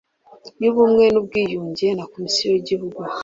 y ubumwe n ubwiyunge na komisiyo y igihugu